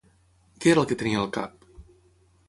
Què era el que tenia al cap?